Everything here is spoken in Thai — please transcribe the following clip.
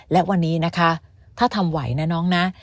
และวันนี้นะคะถ้าทำไหวนะน้องนะ